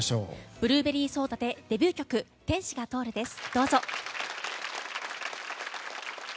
ブルーベリーソーダでデビュー曲「天使が通る」です。